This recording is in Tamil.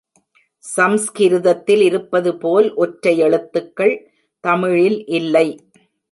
சம்ஸ்கிருதத்திலிருப்பது போல், ஒற்றெழுத்துகள் தமிழில் இல்லை.